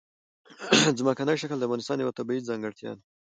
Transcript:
ځمکنی شکل د افغانستان یوه طبیعي ځانګړتیا ده.